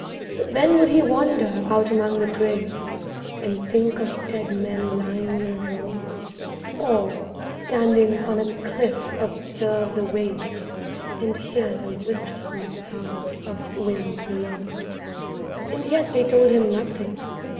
Then would he wander out among the graves, And think of dead men lying in a row; Or, standing on a cliff observe the waves, And hear the wistful sound of winds below; And yet they told him nothing.